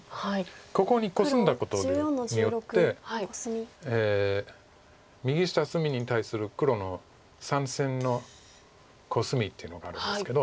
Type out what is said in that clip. ここにコスんだことによって右下隅に対する黒の３線のコスミっていうのがあるんですけど。